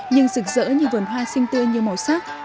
nhưng rực rỡ như vườn hoa sinh tươi như màu sắc